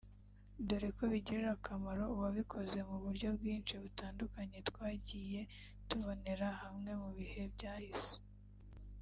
dore ko bigirira akamaro uwabikoze mu buryo bwinshi butandukanye twagiye tubonera hamwe mu bihe byahise